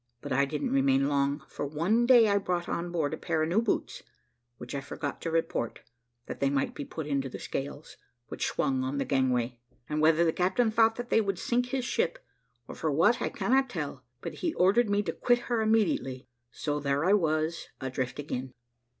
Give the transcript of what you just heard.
But I didn't remain long; for one day I brought on board a pair of new boots, which I forgot to report, that they might be put into the scales, which swung on the gangway; and whether the captain thought that they would sink his ship, or for what I cannot tell, but he ordered me to quit her immediately so there I was adrift again.